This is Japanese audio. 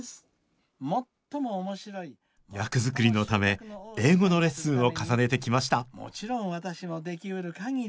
役作りのため英語のレッスンを重ねてきました